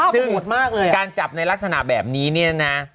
ซึ่งการจับในลักษณะแบบนี้เนี่ยนะ